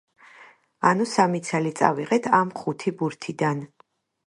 ანუ სამი ცალი წავიღეთ ამ ხუთი ბურთიდან.